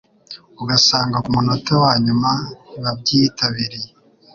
ugasanga k'umunota wa nyuma ntibabyitabiriye